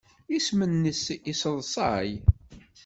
Isem-nnes yesseḍsay.